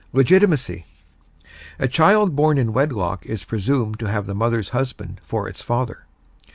LEGITIMACY A child born in wedlock is presumed to have the mother's husband for its father.